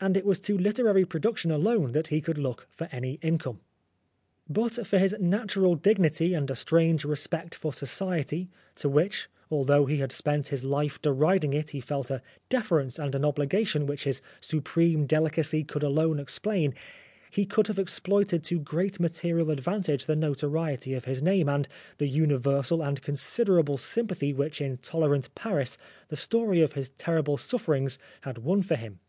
And it was to literary production alone that he could look for any income. But for his natural dignity and a strange respect for Society, to which, although he had spent his life deriding it, he felt a deference and an obligation which his supreme delicacy could alone explain, he could have exploited to great material advantage the notoriety of his name, and the universal and considerable sympathy which in tolerant Paris the story of his terrible sufferings had won for him.